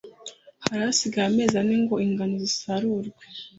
Hari hasigaye amezi ane ngo ingano zisarurwe,